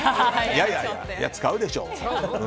いやいや、使うでしょう。